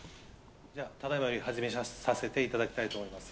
ただいまより始めさせていただきたいと思います。